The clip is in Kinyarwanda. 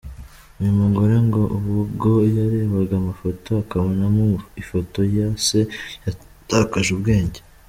Uyu mugore ngo ubwo yarebaga amafoto akabonamo ifoto ya se yatakaje ubwenge.